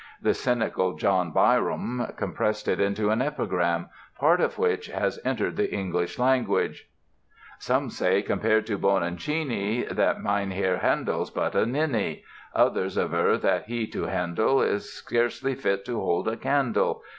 The cynical John Byrom compressed it into an epigram, part of which has entered the English language: "Some say, compared to Bononcini, That Mynherr Handel's but a ninny; Others aver that he to Handel _Is scarcely fit to hold a candle.